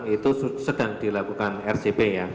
itu sedang dilakukan rcp ya